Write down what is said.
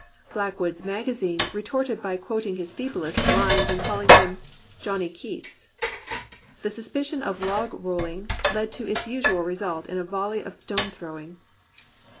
Blackwood's Magazine retorted by quoting his feeblest lines and calling him "Johnny Keats." The suspicion of log rolling led to its usual result in a volley of stone throwing.